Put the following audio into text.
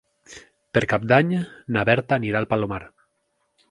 Per Cap d'Any na Berta anirà al Palomar.